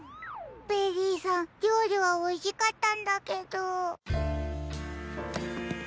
ベリーさんりょうりはおいしかったんだけど。